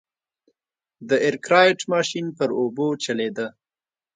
د ارکرایټ ماشین پر اوبو چلېده.